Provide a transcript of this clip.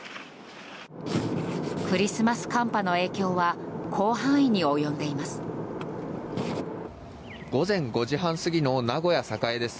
クリスマス寒波の影響は広範囲に及んでいます。